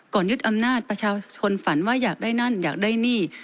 ยึดอำนาจประชาชนฝันว่าอยากได้นั่นอยากได้หนี้